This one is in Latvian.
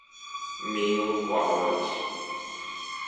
Mīlu vāveres.